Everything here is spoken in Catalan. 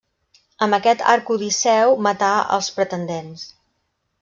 Amb aquest arc Odisseu matà els pretendents.